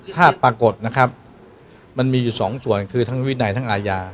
ถ้าปรากฏนะครับมันมีอยู่สองส่วนคือทั้งวินัยทั้งอาญา